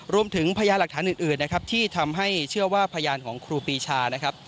รวมถึงพยายามหลักฐานอื่นที่ทำให้เชื่อว่าพยานของครูปีชา